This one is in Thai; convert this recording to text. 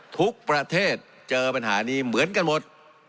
ทุกประเทศเจอปัญหานี้เหมือนกันหมด